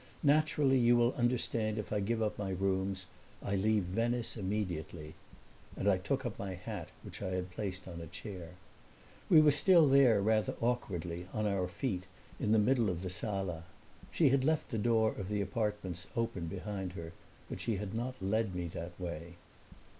Naturally you will understand if I give up my rooms. I leave Venice immediately." And I took up my hat, which I had placed on a chair. We were still there rather awkwardly, on our feet, in the middle of the sala. She had left the door of the apartments open behind her but she had not led me that way.